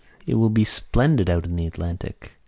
It will be splendid out in the Atlantic.